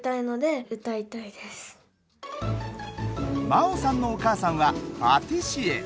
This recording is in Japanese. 真桜さんのお母さんはパティシエ！